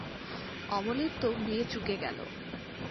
অমলের তো বিয়ে চুকে গেল।